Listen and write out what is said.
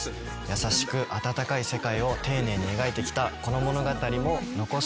優しく温かい世界を丁寧に描いてきたこの物語も残すところ